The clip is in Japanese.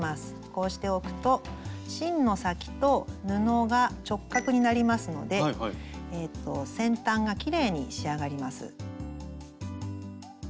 こうしておくと芯の先と布が直角になりますので先端がきれいに仕上がります。